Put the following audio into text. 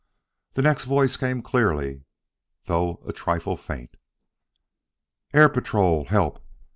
The next voice came clearly, though a trifle faint. "Air Patrol! Help!